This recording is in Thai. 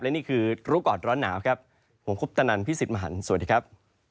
และนี่คือรู้ก่อนร้อนหนาวครับผมคุปตนันพี่สิทธิ์มหันฯสวัสดีครับ